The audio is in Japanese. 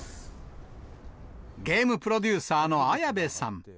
ゲームプロデューサーの綾部さん。